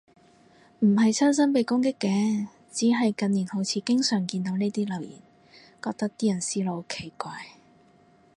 唔係親身被攻擊嘅，只係近年好似經常見到呢種留言，覺得啲人思路好奇怪